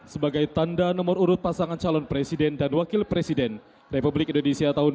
sebagai tanda nomor urut pasangan calon presiden dan wakil presiden republik indonesia tahun dua ribu dua puluh